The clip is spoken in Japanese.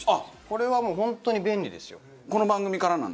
これはもう本当に便利ですよ。